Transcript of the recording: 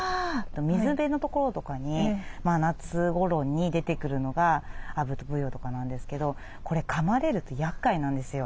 水辺の所とかに夏ごろに出てくるのがアブとブヨとかなんですけどこれかまれるとやっかいなんですよ。